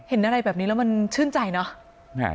เห็นอะไรแบบนี้แล้วมันชื่นใจเนอะ